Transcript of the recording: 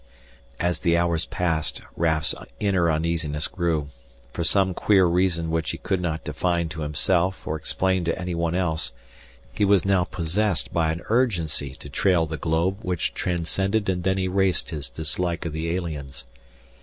As the hours passed Raf's inner uneasiness grew. For some queer reason which he could not define to himself or explain to anyone else, he was now possessed by an urgency to trail the globe which transcended and then erased his dislike of the aliens.